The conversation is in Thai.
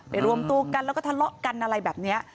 รวมตัวกันแล้วก็ทะเลาะกันอะไรแบบนี้